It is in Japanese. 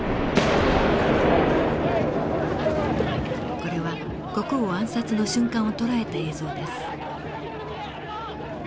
これは国王暗殺の瞬間をとらえた映像です。